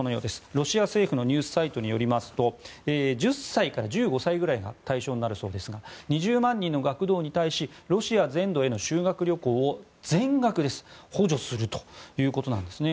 ロシア政府のニュースサイトによりますと１０歳から１５歳ぐらいが対象になるそうですが２０万人の学童に対しロシア全土への修学旅行を全額です補助するということですね。